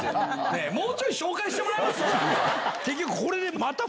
もうちょい紹介してもらえます？